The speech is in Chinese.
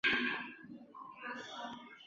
我已经有对策